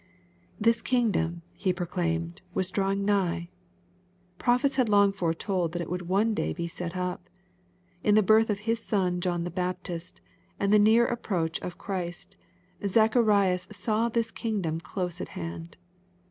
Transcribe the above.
This kingdom, he proclaimed, was drawing nigh. Prophets had long foretold that it would one day be set up. In the birth of his son John the Baptist, and the near approach of Christ, Zacharias saw this kingdom close at hand.